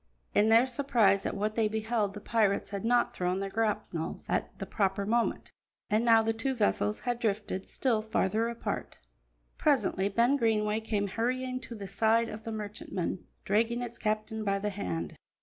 In their surprise at what they beheld the pirates had not thrown their grapnels at the proper moment, and now the two vessels had drifted still farther apart. Presently Ben Greenway came hurrying to the side of the merchantman, dragging its captain by the hand.